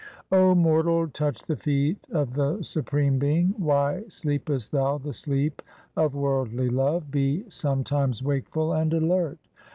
O mortal, touch the feet of the Supreme Being. Why sleepest thou the sleep of worldly love ? be some times wakeful and alert.